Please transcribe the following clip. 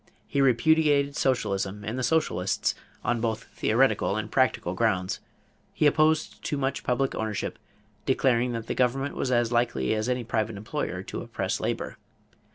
He repudiated socialism and the socialists, on both theoretical and practical grounds. He opposed too much public ownership, declaring that the government was as likely as any private employer to oppress labor.